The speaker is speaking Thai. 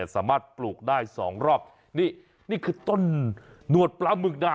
สามารถปลูกได้สองรอบนี่นี่คือต้นหนวดปลาหมึกนะ